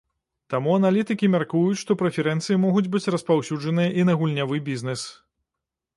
Таму аналітыкі мяркуюць, што прэферэнцыі могуць быць распаўсюджаныя і на гульнявы бізнэс.